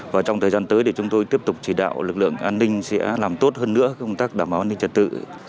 và trong thời gian tới thì chúng tôi tiếp tục chỉ đạo lực lượng an ninh sẽ làm tốt hơn nữa công tác đảm bảo an ninh trật tự